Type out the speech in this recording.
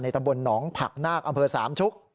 ตำบลหนองผักนาคอำเภอสามชุก